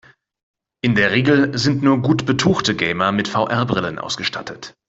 In der Regel sind nur gut betuchte Gamer mit VR-Brillen ausgestattet.